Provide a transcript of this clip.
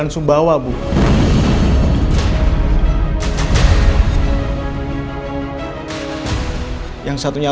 orang yang bersama ibu di pandora cafe